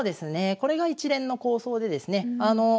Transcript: これが一連の構想でですね。